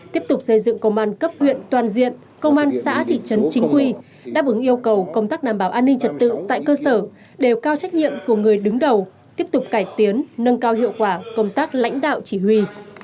tiếp tục xây dựng công an cấp huyện toàn diện công an xã thị trấn chính quy đáp ứng yêu cầu công tác đảm bảo an ninh trật tự tại cơ sở đều cao trách nhiệm của người đứng đầu tiếp tục cải tiến nâng cao hiệu quả công tác lãnh đạo chỉ huy